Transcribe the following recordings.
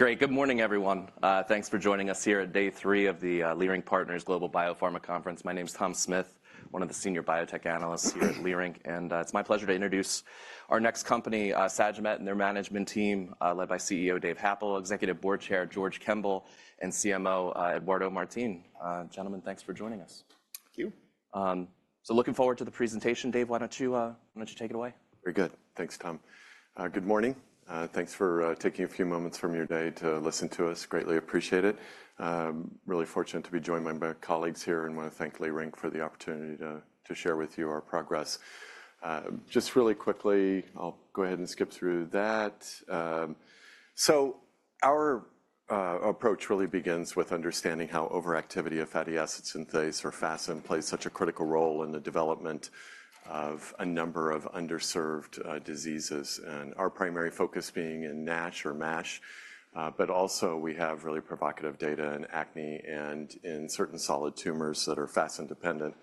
Great. Good morning, everyone. Thanks for joining us here at day three of the Leerink Partners Global Biopharma Conference. My name's Tom Smith, one of the senior biotech analysts here at Leerink, and it's my pleasure to introduce our next company, Sagimet, and their management team, led by CEO Dave Happel, Executive Board Chair George Kemble, and CMO Eduardo Martins. Gentlemen, thanks for joining us. Thank you. Looking forward to the presentation. Dave, why don't you take it away? Very good. Thanks, Tom. Good morning. Thanks for taking a few moments from your day to listen to us. Greatly appreciate it. Really fortunate to be joined by my colleagues here and wanna thank Leerink for the opportunity to share with you our progress. Just really quickly, I'll go ahead and skip through that. So our approach really begins with understanding how overactivity of fatty acid synthase, or FASN, plays such a critical role in the development of a number of underserved diseases, and our primary focus being in NASH or MASH. But also we have really provocative data in acne and in certain solid tumors that are FASN-dependent,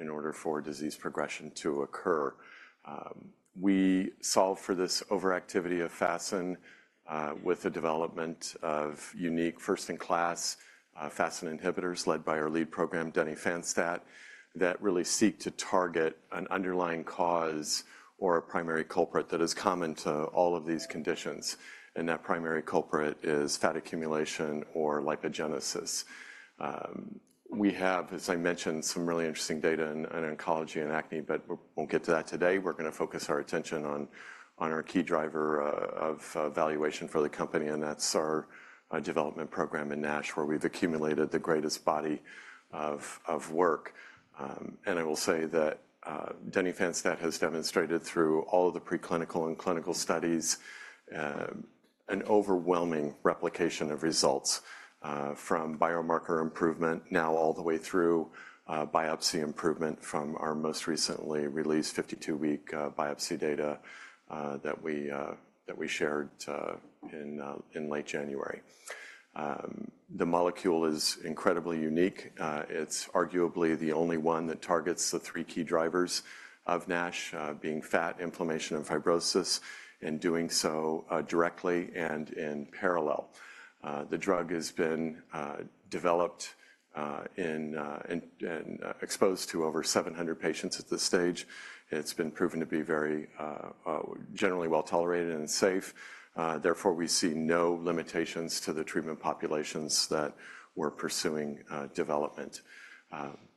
in order for disease progression to occur. We solve for this overactivity of FASN, with the development of unique, first-in-class, FASN inhibitors led by our lead program, denifanstat, that really seek to target an underlying cause or a primary culprit that is common to all of these conditions, and that primary culprit is fat accumulation or lipogenesis. We have, as I mentioned, some really interesting data in, in oncology and acne, but we won't get to that today. We're gonna focus our attention on, on our key driver, of, valuation for the company, and that's our, development program in NASH where we've accumulated the greatest body of, of work. I will say that denifanstat has demonstrated through all of the preclinical and clinical studies an overwhelming replication of results from biomarker improvement now all the way through biopsy improvement from our most recently released 52-week biopsy data that we shared in late January. The molecule is incredibly unique. It's arguably the only one that targets the three key drivers of NASH, being fat, inflammation, and fibrosis, and doing so directly and in parallel. The drug has been developed and exposed to over 700 patients at this stage. It's been proven to be very well-tolerated and generally safe. Therefore, we see no limitations to the treatment populations that we're pursuing development.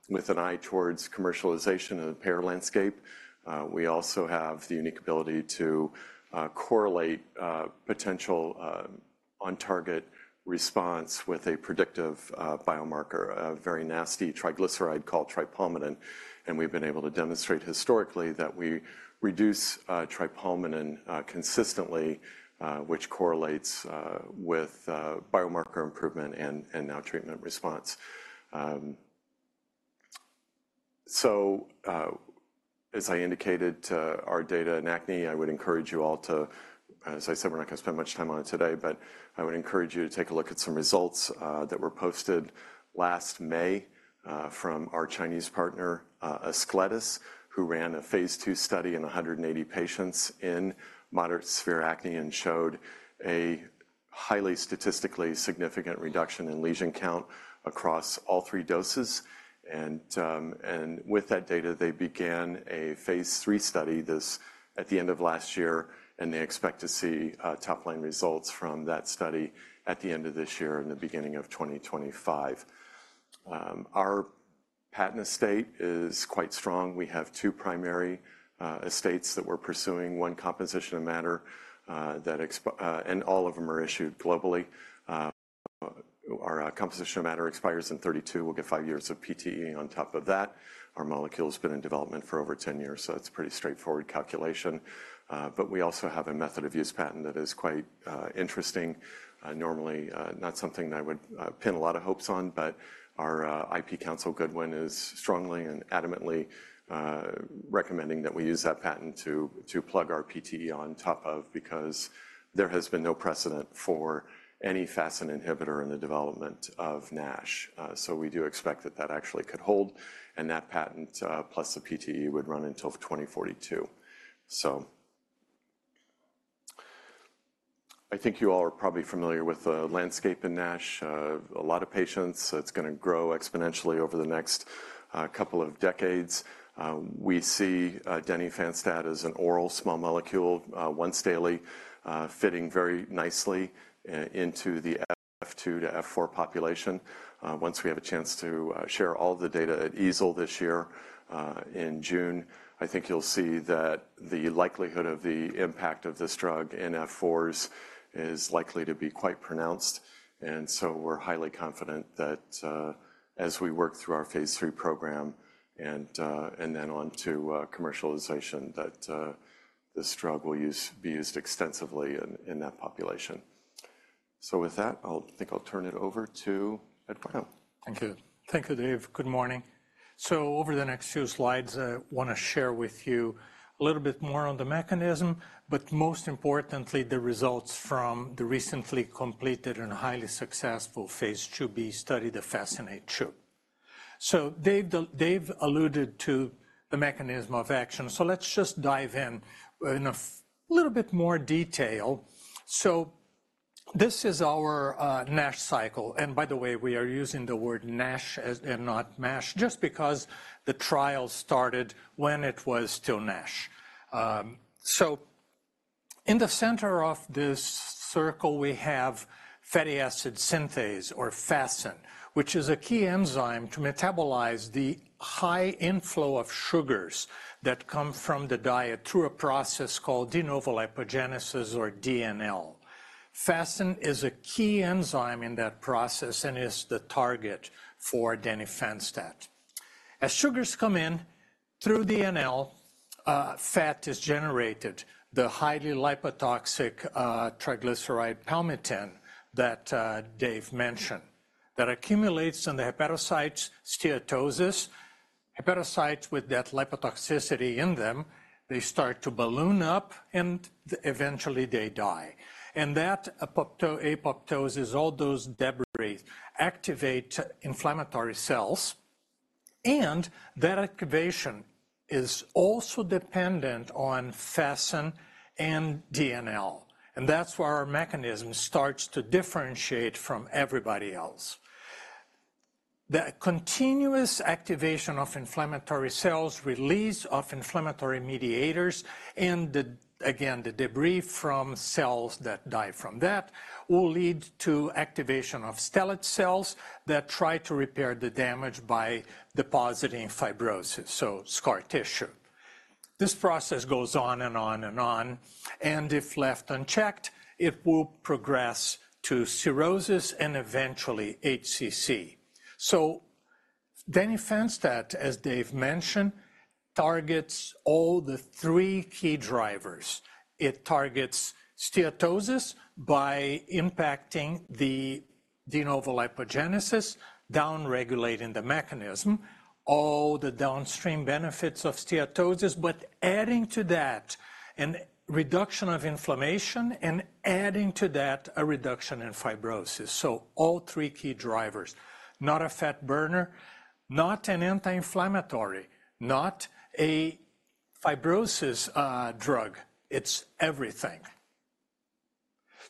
With an eye towards commercialization and the payer landscape, we also have the unique ability to correlate potential on-target response with a predictive biomarker, a very nasty triglyceride called tripalmitin. And we've been able to demonstrate historically that we reduce tripalmitin consistently, which correlates with biomarker improvement and now treatment response. So, as I indicated to our data in acne, I would encourage you all to, as I said, we're not gonna spend much time on it today, but I would encourage you to take a look at some results that were posted last May, from our Chinese partner, Ascletis, who ran a phase II study in 180 patients in moderate to severe acne and showed a highly statistically significant reduction in lesion count across all three doses. And with that data, they began a phase III study this at the end of last year, and they expect to see top-line results from that study at the end of this year and the beginning of 2025. Our patent estate is quite strong. We have two primary patents that we're pursuing, one composition of matter, that expires and all of them are issued globally. Our composition of matter expires in 2032. We'll get five years of PTE on top of that. Our molecule's been in development for over 10 years, so it's a pretty straightforward calculation. But we also have a method-of-use patent that is quite interesting. Normally, not something that I would pin a lot of hopes on, but our IP counsel, Goodwin, is strongly and adamantly recommending that we use that patent to plug our PTE on top of because there has been no precedent for any FASN inhibitor in the development of NASH. So we do expect that that actually could hold, and that patent, plus the PTE would run until 2042. So, I think you all are probably familiar with the landscape in NASH. A lot of patients. It's gonna grow exponentially over the next couple of decades. We see denifanstat as an oral small molecule, once daily, fitting very nicely into the F2 to F4 population. Once we have a chance to share all of the data at EASL this year, in June, I think you'll see that the likelihood of the impact of this drug in F4s is likely to be quite pronounced. And so we're highly confident that, as we work through our phase III program and then onto commercialization, that this drug will be used extensively in that population. So with that, I think I'll turn it over to Eduardo Martins. Thank you. Thank you, Dave. Good morning. So over the next few slides, I wanna share with you a little bit more on the mechanism, but most importantly, the results from the recently completed and highly successful phase IIb study, FASCINATE-2. So, as Dave alluded to the mechanism of action, so let's just dive in, in a little bit more detail. So this is our NASH cycle, and by the way, we are using the word NASH as and not MASH just because the trial started when it was still NASH. So in the center of this circle, we have fatty acid synthase or FASN, which is a key enzyme to metabolize the high inflow of sugars that come from the diet through a process called de novo lipogenesis or DNL. FASN is a key enzyme in that process and is the target for denifanstat. As sugars come in through DNL, fat is generated, the highly lipotoxic, Triglyceride palmitate that, Dave mentioned, that accumulates in the hepatocytes, steatosis. Hepatocytes with that lipotoxicity in them, they start to balloon up and eventually they die. And that apoptosis, all those debris activate inflammatory cells, and that activation is also dependent on FASN and DNL, and that's where our mechanism starts to differentiate from everybody else. The continuous activation of inflammatory cells, release of inflammatory mediators, and the again, the debris from cells that die from that will lead to activation of stellate cells that try to repair the damage by depositing fibrosis, so scar tissue. This process goes on and on and on, and if left unchecked, it will progress to cirrhosis and eventually HCC. So denifanstat, as Dave mentioned, targets all the three key drivers. It targets steatosis by impacting the de novo lipogenesis, downregulating the mechanism, all the downstream benefits of steatosis, but adding to that a reduction of inflammation and adding to that a reduction in fibrosis. So all three key drivers, not a fat burner, not an anti-inflammatory, not a fibrosis drug. It's everything.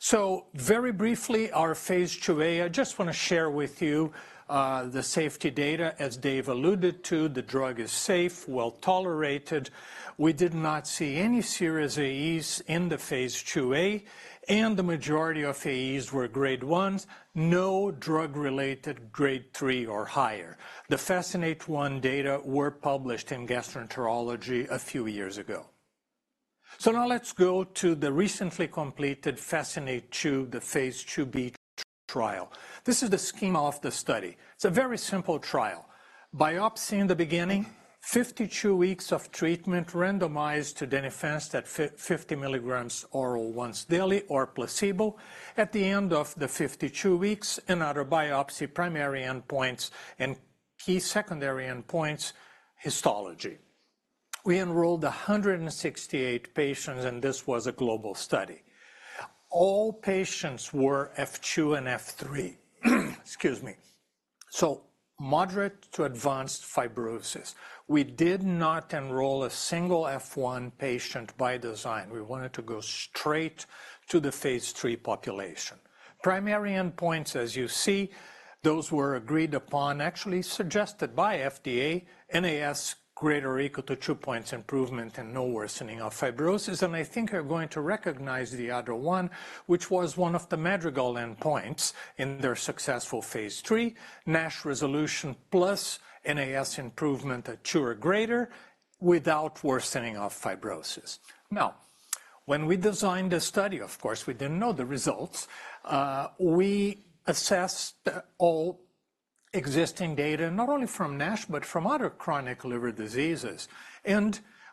So very briefly, our phase IIa, I just wanna share with you, the safety data. As Dave alluded to, the drug is safe, well-tolerated. We did not see any serious AEs in the phase IIa, and the majority of AEs were grade ones, no drug-related grade three or higher. The FASCINATE-1 data were published in Gastroenterology a few years ago. So now let's go to the recently completed FASCINATE-2, the phase IIb trial. This is the schema of the study. It's a very simple trial. Biopsy in the beginning, 52 weeks of treatment randomized to denifanstat 50 mg oral once daily or placebo. At the end of the 52 weeks, another biopsy, primary endpoints and key secondary endpoints, histology. We enrolled 168 patients, and this was a global study. All patients were F2 and F3. Excuse me. So moderate to advanced fibrosis. We did not enroll a single F1 patient by design. We wanted to go straight to the phase III population. Primary endpoints, as you see, those were agreed upon, actually suggested by FDA, NAS greater or equal to two points improvement and no worsening of fibrosis. And I think you're going to recognize the other one, which was one of the Madrigal endpoints in their successful phase III, NASH resolution plus NAS improvement of two or greater without worsening of fibrosis. Now, when we designed the study, of course, we didn't know the results. We assessed all existing data, not only from NASH but from other chronic liver diseases.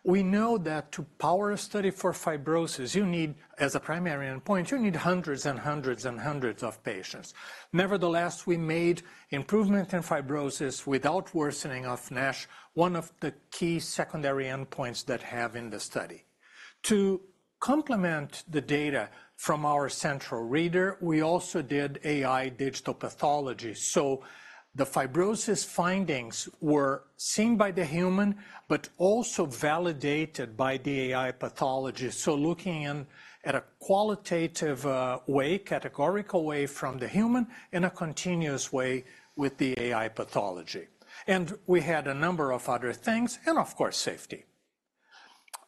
We know that to power a study for fibrosis, you need as a primary endpoint, you need hundreds and hundreds and hundreds of patients. Nevertheless, we made improvement in fibrosis without worsening of NASH one of the key secondary endpoints that have in the study. To complement the data from our central reader, we also did AI digital pathology. So the fibrosis findings were seen by the human but also validated by the AI pathology. Looking in at a qualitative way, categorical way from the human in a continuous way with the AI pathology. We had a number of other things and, of course, safety.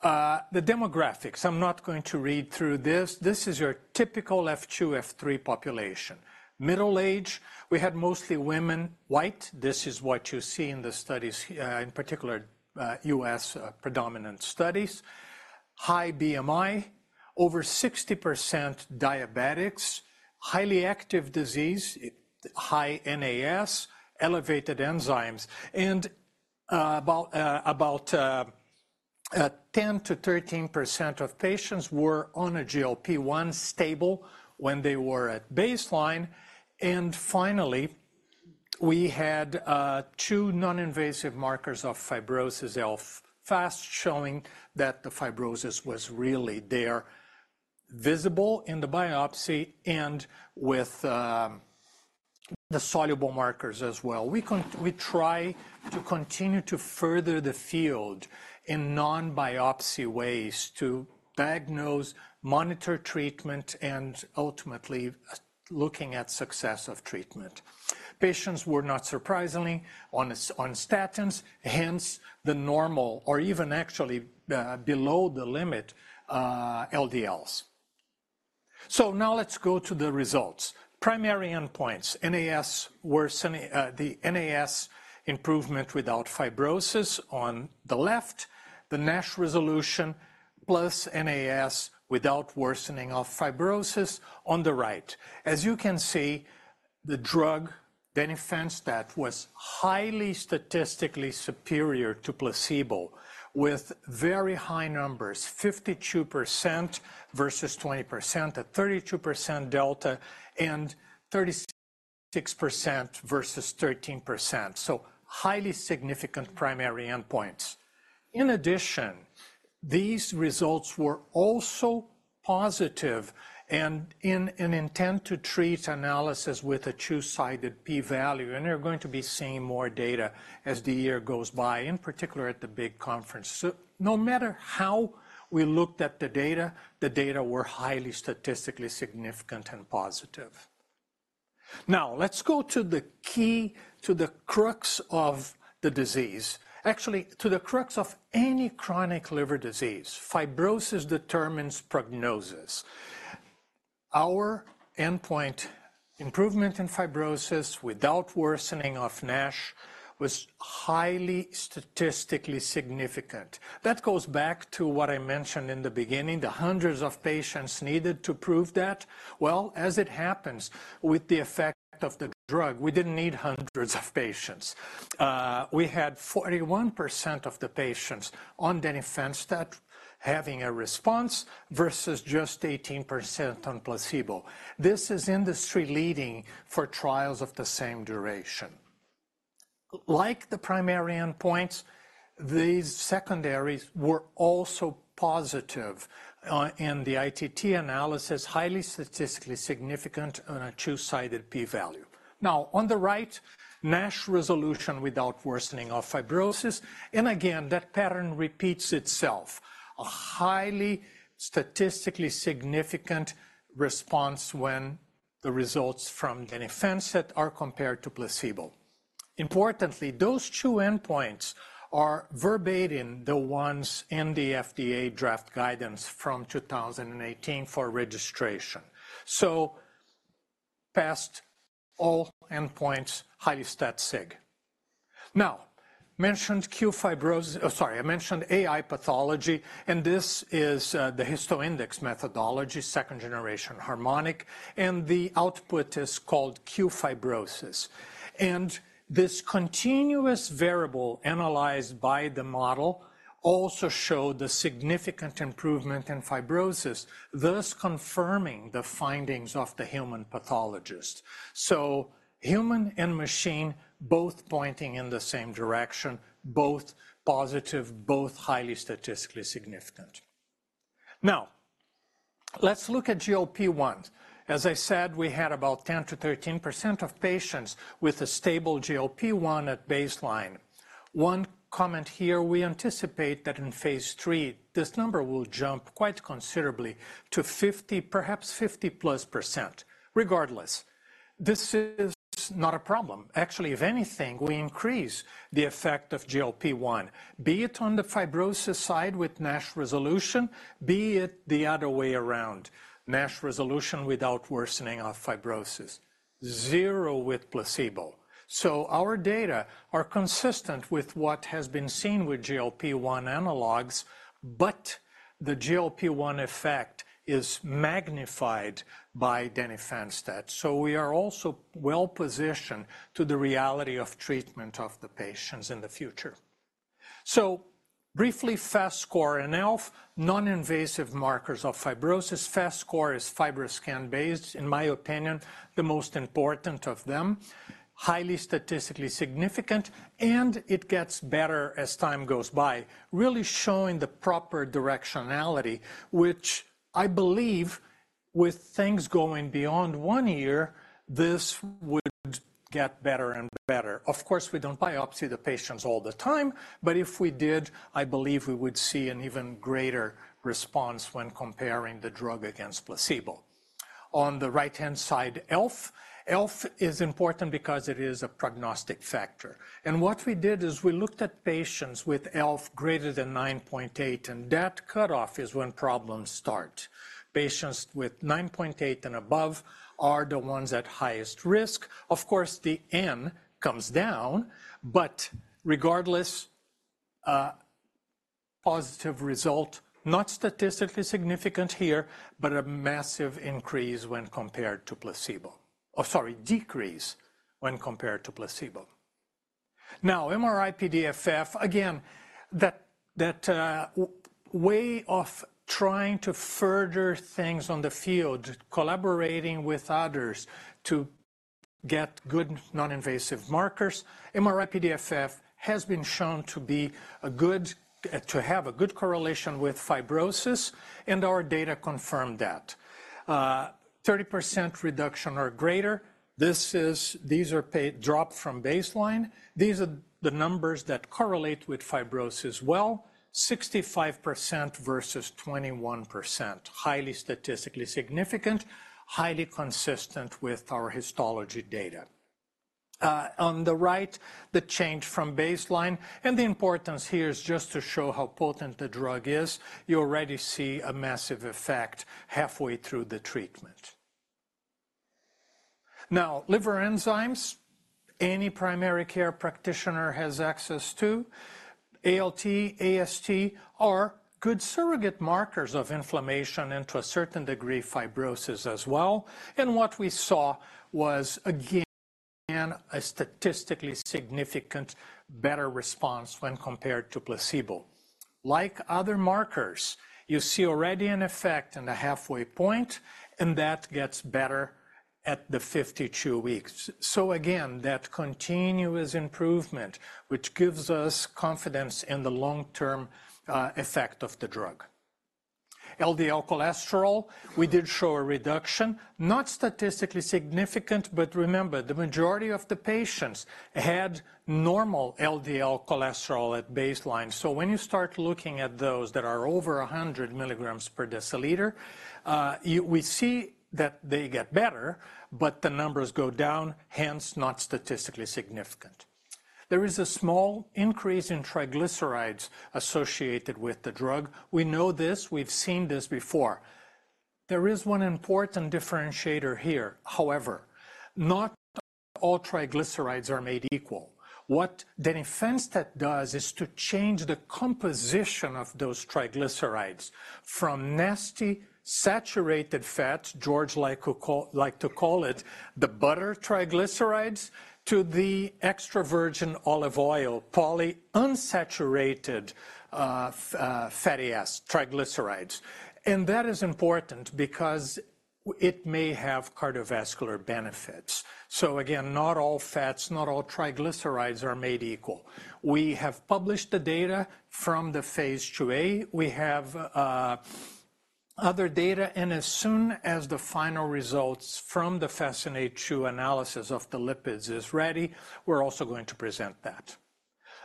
The demographics, I'm not going to read through this. This is your typical F2, F3 population. Middle age, we had mostly women, white. This is what you see in the studies, in particular, U.S, predominant studies. High BMI, over 60% diabetics, highly active disease, high NAS, elevated enzymes, and about 10%-13% of patients were on a GLP-1 stable when they were at baseline. And finally, we had two non-invasive markers of fibrosis, ELF, showing that the fibrosis was really there, visible in the biopsy and with the soluble markers as well. We continue to try to further the field in non-biopsy ways to diagnose, monitor treatment, and ultimately looking at success of treatment. Patients were not surprisingly on statins, hence the normal or even actually below the limit LDLs. So now let's go to the results. Primary endpoints, NAS worsening, the NAS improvement without fibrosis on the left, the NASH resolution plus NAS without worsening of fibrosis on the right. As you can see, the drug, denifanstat, was highly statistically superior to placebo with very high numbers, 52% versus 20%, a 32% delta, and 36% versus 13%. So highly significant primary endpoints. In addition, these results were also positive and in an intent-to-treat analysis with a two-sided p-value, and you're going to be seeing more data as the year goes by, in particular at the big conference. So no matter how we looked at the data, the data were highly statistically significant and positive. Now, let's go to the key to the crux of the disease. Actually, to the crux of any chronic liver disease, fibrosis determines prognosis. Our endpoint improvement in fibrosis without worsening of NASH was highly statistically significant. That goes back to what I mentioned in the beginning, the hundreds of patients needed to prove that. Well, as it happens with the effect of the drug, we didn't need hundreds of patients. We had 41% of the patients on denifanstat having a response versus just 18% on placebo. This is industry-leading for trials of the same duration. Like the primary endpoints, these secondaries were also positive, in the ITT analysis, highly statistically significant on a two-sided p-value. Now, on the right, NASH resolution without worsening of fibrosis, and again, that pattern repeats itself, a highly statistically significant response when the results from denifanstat are compared to placebo. Importantly, those two endpoints are verbatim the ones in the FDA draft guidance from 2018 for registration. So past all endpoints, highly stat sig. Now, I mentioned AI pathology, and this is the HistoIndex methodology, second generation harmonic, and the output is called qFibrosis. And this continuous variable analyzed by the model also showed the significant improvement in fibrosis, thus confirming the findings of the human pathologist. So human and machine both pointing in the same direction, both positive, both highly statistically significant. Now, let's look at GLP-1. As I said, we had about 10%-13% of patients with a stable GLP-1 at baseline. One comment here, we anticipate that in phase III, this number will jump quite considerably to 50%, perhaps 50%+ regardless. This is not a problem. Actually, if anything, we increase the effect of GLP-1, be it on the fibrosis side with NASH resolution, be it the other way around, NASH resolution without worsening of fibrosis, zero with placebo. So our data are consistent with what has been seen with GLP-1 analogs, but the GLP-1 effect is magnified by denifanstat. So we are also well-positioned to the reality of treatment of the patients in the future. So briefly, FAST score and LFA, non-invasive markers of fibrosis. FAST score is FibroScan-based, in my opinion, the most important of them, highly statistically significant, and it gets better as time goes by, really showing the proper directionality, which I believe with things going beyond one year, this would get better and better. Of course, we don't biopsy the patients all the time, but if we did, I believe we would see an even greater response when comparing the drug against placebo. On the right-hand side, LFA. LFA is important because it is a prognostic factor. What we did is we looked at patients with LFA greater than 9.8%, and that cutoff is when problems start. Patients with 9.8% and above are the ones at highest risk. Of course, the N comes down, but regardless, positive result, not statistically significant here, but a massive increase when compared to placebo. Oh, sorry, decrease when compared to placebo. Now, MRI PDFF, again, that way of trying to further things on the field, collaborating with others to get good non-invasive markers. MRI PDFF has been shown to be a good to have a good correlation with fibrosis, and our data confirmed that. 30% reduction or greater, these are paired drops from baseline. These are the numbers that correlate with fibrosis well, 65% versus 21%, highly statistically significant, highly consistent with our histology data. On the right, the change from baseline, and the importance here is just to show how potent the drug is. You already see a massive effect halfway through the treatment. Now, liver enzymes, any primary care practitioner has access to, ALT, AST, are good surrogate markers of inflammation and to a certain degree fibrosis as well. And what we saw was, again, a statistically significant better response when compared to placebo. Like other markers, you see already an effect in the halfway point, and that gets better at the 52 weeks. So again, that continuous improvement, which gives us confidence in the long-term effect of the drug. LDL cholesterol, we did show a reduction, not statistically significant, but remember, the majority of the patients had normal LDL cholesterol at baseline. So when you start looking at those that are over 100 mg per dL, we see that they get better, but the numbers go down, hence not statistically significant. There is a small increase in triglycerides associated with the drug. We know this. We've seen this before. There is one important differentiator here, however, not all triglycerides are made equal. What denifanstat does is to change the composition of those triglycerides from nasty saturated fats, George likes to call it, the butter triglycerides, to the extra virgin olive oil, polyunsaturated, fatty acid triglycerides. And that is important because it may have cardiovascular benefits. So again, not all fats, not all triglycerides are made equal. We have published the data from the phase IIa. We have other data, and as soon as the final results from the FASCINATE-2 analysis of the lipids are ready, we're also going to present that.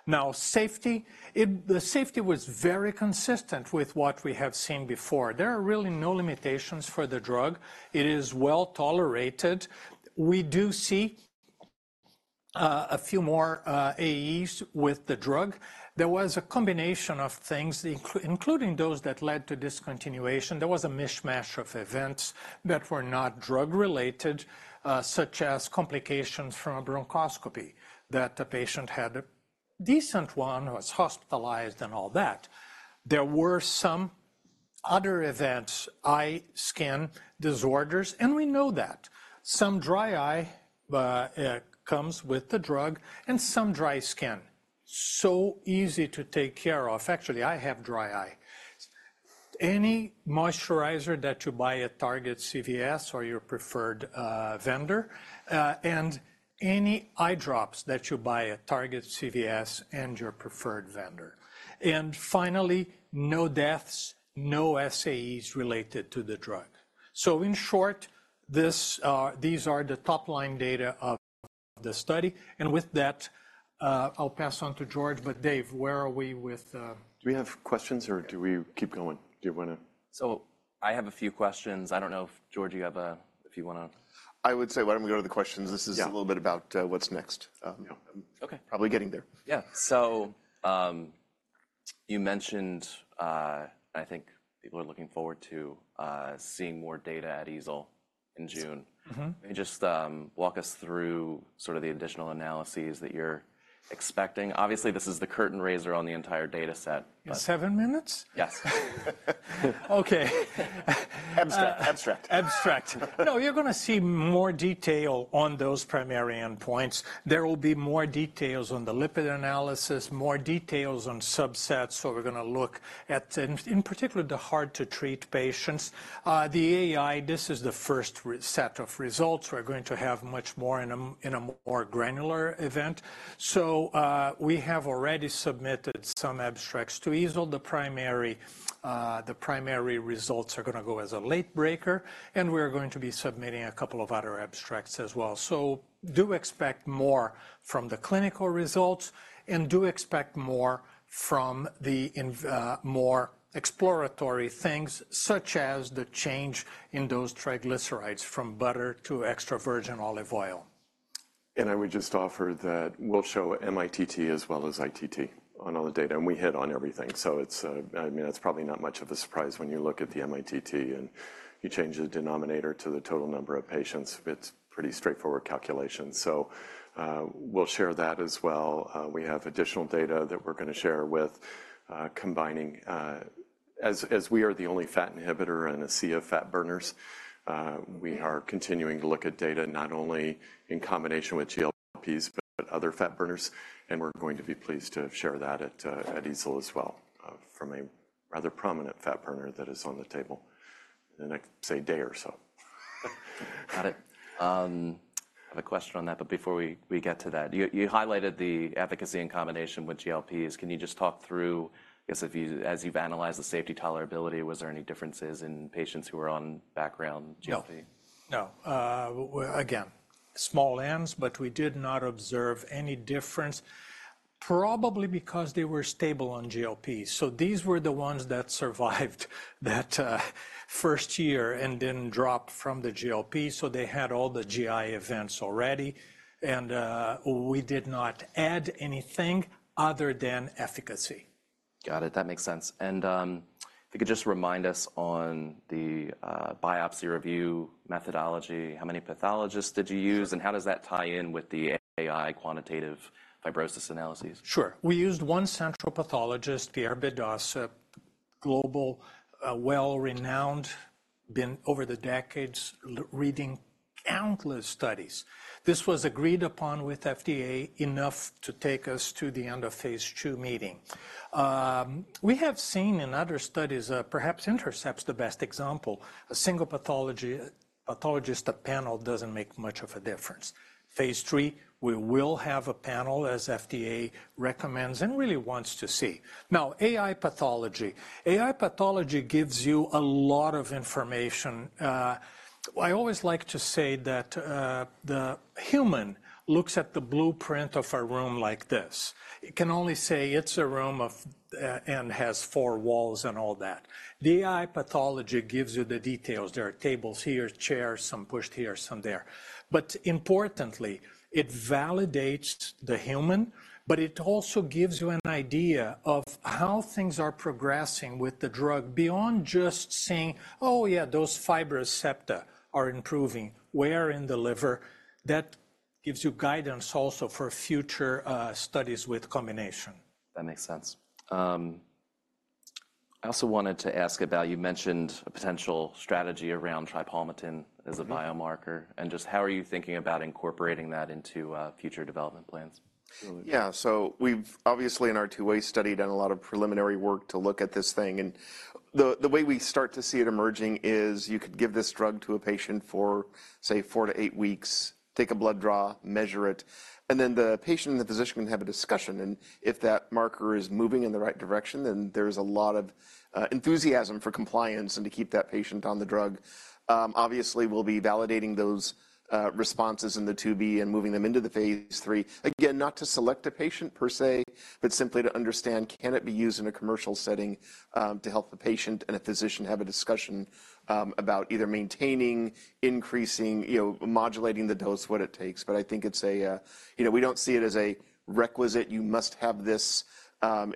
Now, safety, the safety was very consistent with what we have seen before. There are really no limitations for the drug. It is well tolerated. We do see a few more AEs with the drug. There was a combination of things, including those that led to discontinuation. There was a mishmash of events that were not drug-related, such as complications from a bronchoscopy that the patient had an incident, one was hospitalized, and all that. There were some other events, eye skin disorders, and we know that. Some dry eye comes with the drug and some dry skin, so easy to take care of. Actually, I have dry eye. Any moisturizer that you buy at Target CVS or your preferred vendor, and any eye drops that you buy at Target CVS and your preferred vendor. And finally, no deaths, no SAEs related to the drug. So in short, these are the top-line data of the study. And with that, I'll pass on to George, but Dave, where are we with? Do we have questions or do we keep going? Do you want to? So I have a few questions. I don't know if George, you have a if you want to. I would say why don't we go to the questions? This is a little bit about what's next, probably getting there. Yeah. So, you mentioned, and I think people are looking forward to seeing more data at EASL in June. Maybe just walk us through sort of the additional analyses that you're expecting. Obviously, this is the curtain raiser on the entire dataset, But in seven minutes? Yes. Okay. Abstract. Abstract. Abstract. No, you're going to see more detail on those primary endpoints. There will be more details on the lipid analysis, more details on subsets. So we're going to look at, in particular, the hard-to-treat patients. The AI, this is the first set of results. We're going to have much more in a more granular event. So, we have already submitted some abstracts to EASL. The primary results are going to go as a late breaker, and we are going to be submitting a couple of other abstracts as well. So do expect more from the clinical results, and do expect more from the more exploratory things such as the change in those triglycerides from butter to extra virgin olive oil. I would just offer that we'll show mITT as well as ITT on all the data, and we hit on everything. So it's, I mean, that's probably not much of a surprise when you look at the mITT and you change the denominator to the total number of patients. It's pretty straightforward calculations. So, we'll share that as well. We have additional data that we're going to share, combining, as we are the only FASN inhibitor and GLP fat burners, we are continuing to look at data not only in combination with GLPs but other fat burners. And we're going to be pleased to share that at EASL as well, from a rather prominent fat burner that is on the table in the next, say, day or so. Got it. I have a question on that, but before we get to that, you highlighted the efficacy in combination with GLPs. Can you just talk through, I guess, if, as you've analyzed the safety tolerability, was there any differences in patients who were on background GLP? No. No. Again, small Ns, but we did not observe any difference, probably because they were stable on GLP. So these were the ones that survived that first year and then dropped from the GLP. So they had all the GI events already, and we did not add anything other than efficacy. Got it. That makes sense. If you could just remind us on the biopsy review methodology, how many pathologists did you use, and how does that tie in with the AI quantitative fibrosis analyses? Sure. We used one central pathologist, Pierre Bedossa, global, well-renowned, been over the decades reading countless studies. This was agreed upon with FDA enough to take us to the end of phase II meeting. We have seen in other studies, perhaps Intercept's the best example, a single pathologist a panel doesn't make much of a difference. Phase III, we will have a panel as FDA recommends and really wants to see. Now, AI pathology. AI pathology gives you a lot of information. I always like to say that, the human looks at the blueprint of a room like this. It can only say it's a room of, and has four walls and all that. The AI pathology gives you the details. There are tables here, chairs, some pushed here, some there. But importantly, it validates the human, but it also gives you an idea of how things are progressing with the drug beyond just seeing, "Oh, yeah, those fibrous septa are improving. Where in the liver?" That gives you guidance also for future studies with combination. That makes sense. I also wanted to ask about you mentioned a potential strategy around tripalmitin as a biomarker, and just how are you thinking about incorporating that into future development plans? Yeah. So we've obviously in our two-way study done a lot of preliminary work to look at this thing. And the way we start to see it emerging is you could give this drug to a patient for, say, 4 weeks-8 weeks, take a blood draw, measure it, and then the patient and the physician can have a discussion. If that marker is moving in the right direction, then there's a lot of enthusiasm for compliance and to keep that patient on the drug. Obviously, we'll be validating those responses in the phase IIb and moving them into the phase III. Again, not to select a patient per se, but simply to understand, can it be used in a commercial setting, to help the patient and a physician have a discussion about either maintaining, increasing, you know, modulating the dose, what it takes. But I think it's a, you know, we don't see it as a requisite. You must have this,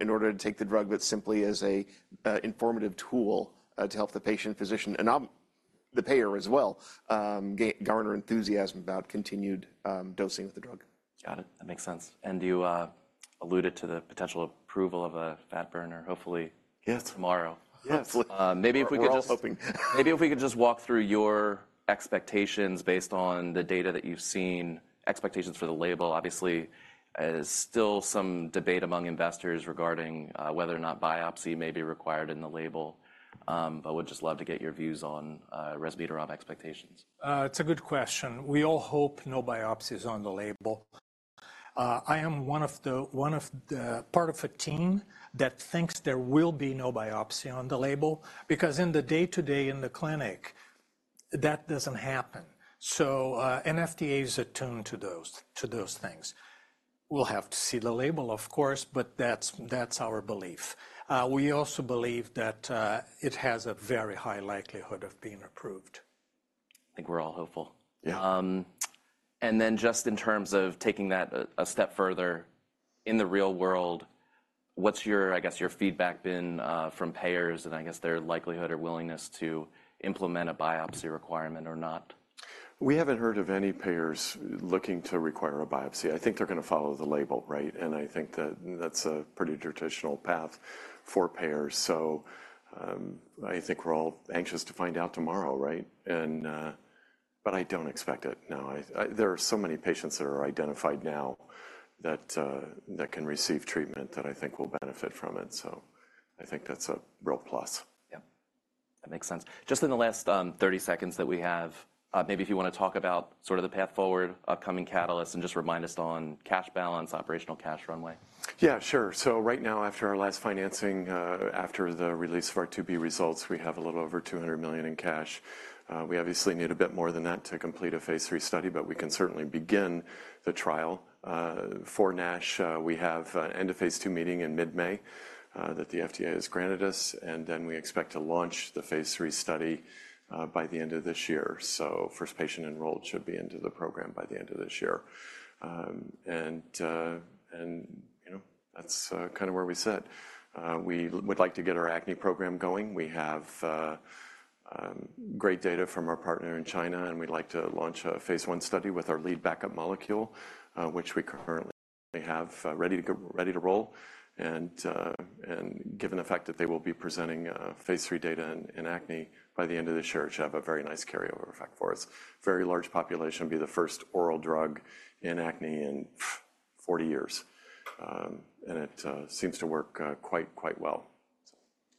in order to take the drug, but simply as a informative tool, to help the patient, physician, and I'm the payer as well, garner enthusiasm about continued dosing with the drug. Got it. That makes sense. And you alluded to the potential approval of a fat burner, hopefully. Yes. Tomorrow, hopefully. Maybe if we could just walk through your expectations based on the data that you've seen, expectations for the label. Obviously, there's still some debate among investors regarding whether or not biopsy may be required in the label, but would just love to get your views on resmetirom expectations. It's a good question. We all hope no biopsy is on the label. I am part of a team that thinks there will be no biopsy on the label because in the day-to-day in the clinic, that doesn't happen. So, the FDA is attuned to those things. We'll have to see the label, of course, but that's our belief. We also believe that it has a very high likelihood of being approved. I think we're all hopeful. Yeah. And then just in terms of taking that a step further, in the real world, what's your, I guess, your feedback been, from payers and, I guess, their likelihood or willingness to implement a biopsy requirement or not? We haven't heard of any payers looking to require a biopsy. I think they're going to follow the label, right? And I think that that's a pretty traditional path for payers. So, I think we're all anxious to find out tomorrow, right? And, but I don't expect it now. I, there are so many patients that are identified now that can receive treatment that I think will benefit from it. So I think that's a real plus. Yep. That makes sense. Just in the last 30 seconds that we have, maybe if you want to talk about sort of the path forward, upcoming catalysts, and just remind us on cash balance, operational cash runway. Yeah, sure. So right now, after our last financing, after the release of our phase IIb results, we have a little over $200 million in cash. We obviously need a bit more than that to complete a phase III study, but we can certainly begin the trial. For NASH, we have an end-of-phase II meeting in mid-May, that the FDA has granted us. And then we expect to launch the phase III study, by the end of this year. So first patient enrolled should be into the program by the end of this year. And, you know, that's, kind of where we sit. We would like to get our acne program going. We have great data from our partner in China, and we'd like to launch a phase I study with our lead backup molecule, which we currently have ready to go, ready to roll. And given the fact that they will be presenting phase III data in acne by the end of this year, it should have a very nice carryover effect for us. Very large population, be the first oral drug in acne in 40 years, and it seems to work quite, quite well.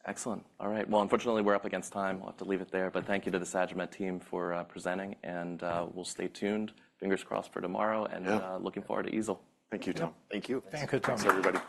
Excellent. All right. Well, unfortunately, we're up against time. We'll have to leave it there. But thank you to the Sagimet team for presenting. And we'll stay tuned. Fingers crossed for tomorrow. And looking forward to EASL. Thank you, Tom. Thank you. Thank you, Tom. Thanks, everybody.